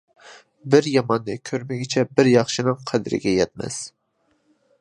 بىر ياماننى كۆرمىگۈچە، بىر ياخشىنىڭ قەدرىگە يەتمەس.